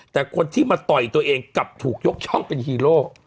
แต่คนที่มาต่อยตัวเองกลับถูกยกช่องเป็นฮีโร่